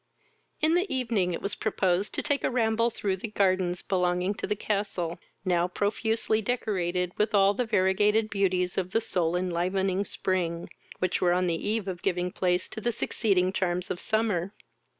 In the evening it was proposed to take a ramble through the gardens belonging to the castle, now profusely decorated with all the variegated beauties of the soul enlivening spring, which were on the eve of giving place to the succeeding charms of summer.